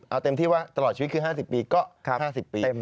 เอาเต็มที่ว่าตลอดชีวิตคือ๕๐ปีก็๕๐ปีเต็ม